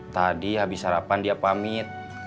tadi habis sarapan dia pamit